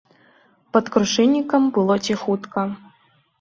Пад крушыннікам было ціхутка.